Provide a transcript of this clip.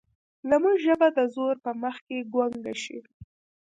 زموږ ژبه د زور په مخ کې ګونګه شي.